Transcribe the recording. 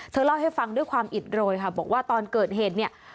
เล่าให้ฟังด้วยความอิดโรยค่ะบอกว่าตอนเกิดเหตุเนี่ย